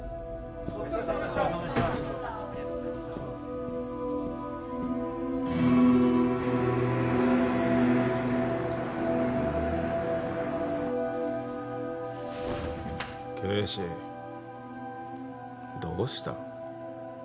お疲れさまでした啓示どうした？